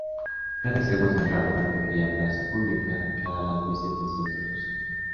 Cada extremo tendrá una pequeña plaza pública que hará las veces de centro social.